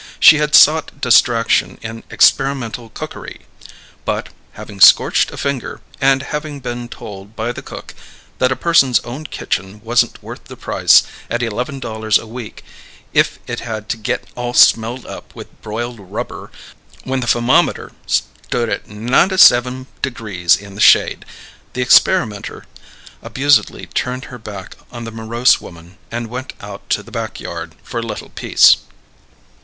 She had sought distraction in experimental cookery; but, having scorched a finger, and having been told by the cook that a person's own kitchen wasn't worth the price at eleven dollars a week if it had to git all smelled up with broiled rubber when the femometer stood at ninety sevvum degrees in the shade, the experimenter abusedly turned her back on the morose woman and went out to the back yard for a little peace.